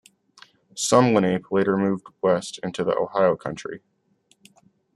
Some Lenape later moved west into the Ohio Country.